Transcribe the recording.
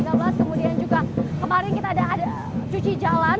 kemudian juga kemarin kita ada cuci jalan